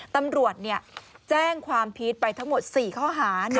ตำรวจแจ้งความพีชไปทั้งหมด๔ข้อหา